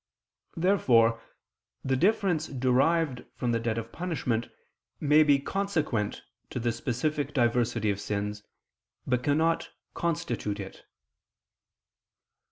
Therefore the difference derived from the debt of punishment, may be consequent to the specific diversity of sins, but cannot constitute it.